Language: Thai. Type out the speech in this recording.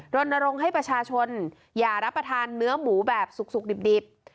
รณรงค์ให้ประชาชนอย่ารับประทานเนื้อหมูแบบสุกดิบ